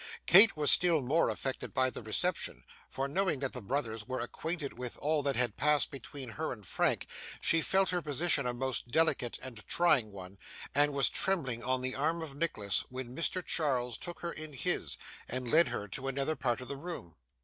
Kate was still more affected by the reception: for, knowing that the brothers were acquainted with all that had passed between her and Frank, she felt her position a most delicate and trying one, and was trembling on the arm of Nicholas, when Mr. Charles took her in his, and led her to another part of the room.